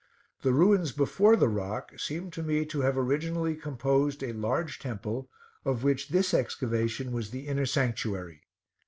The ruins before the rock seemed to me to have originally composed a large temple, of which this excavation was the inner sanctuary.